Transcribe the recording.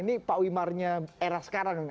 ini pak wimarnya era sekarang